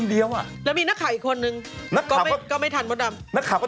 เดี๋ยวพี่โพสต์ก็โทรศัพท์มาหาหรอก